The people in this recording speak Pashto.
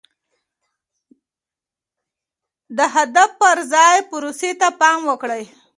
د هدف پر ځای پروسې ته پام وکړئ.